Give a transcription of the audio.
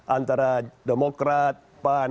antara demokrat pan